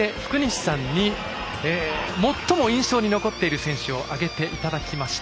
そして、福西さんに最も印象に残っている選手を挙げていただきました。